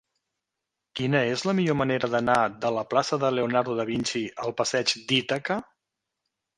Quina és la millor manera d'anar de la plaça de Leonardo da Vinci al passeig d'Ítaca?